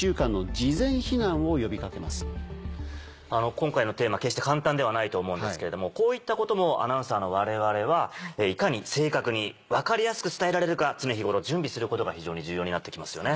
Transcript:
今回のテーマ決して簡単ではないと思うんですけれどもこういったこともアナウンサーのわれわれはいかに正確に分かりやすく伝えられるか常日頃準備することが非常に重要になってきますよね。